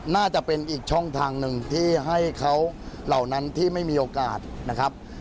น่าจะเป็นอีกช่องทางหนึ่งที่ให้เขาเหล่านั้นที่ไม่มีโอกาสนะครับ